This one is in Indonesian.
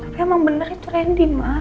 tapi emang bener itu randy mah